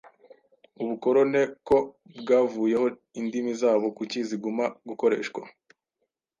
Ubukorone ko bwavuyeho indimi zabo kuki ziguma gukoreshwa